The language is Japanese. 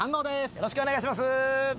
よろしくお願いします。